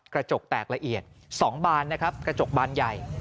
กระจกแตกละเอียด๒บานนะครับกระจกบานใหญ่